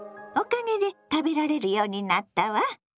おかげで食べられるようになったわ。